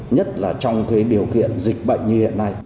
nhất là trong cái điều kiện dịch bệnh như hiện nay